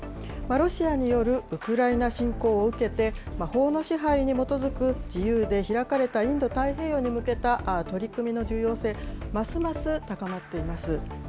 ロシアによるウクライナ侵攻を受けて、法の支配に基づく自由で開かれたインド太平洋に向けた取り組みの重要性、ますます高まっています。